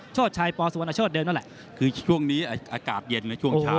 ชชัยปสุวรรณโชธเดิมนั่นแหละคือช่วงนี้อากาศเย็นในช่วงเช้า